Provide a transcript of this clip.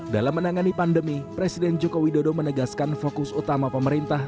dalam menangani pandemi presiden joko widodo menegaskan fokus utama pemerintah